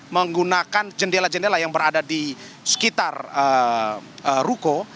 menggunakan jendela jendela yang berada di sekitar ruko